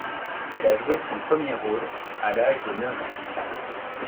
Elle a joué son premier rôle à l'âge de neuf ans.